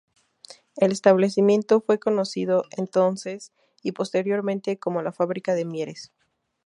El establecimiento fue conocido, entonces y posteriormente, como la fábrica de Mieres.